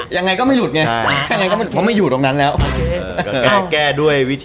ยังไงก็ไม่หยุด